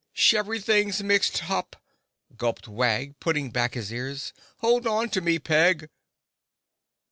"Sheverything's mixed hup!" gulped Wag, putting back his ears. "Hold on to me, Peg!"